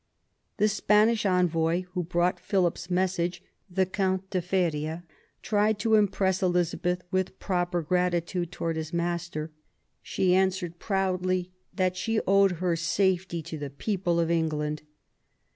The Spanish envoy who brought Philip's message, the Count de Feria, tried to impress Elizabeth with proper gratitude towards his master. She answered proudly that she owed her safety to the people of England.